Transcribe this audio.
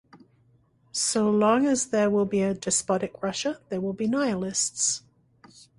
So long as there will be a despotic Russia, there will be Nihilists.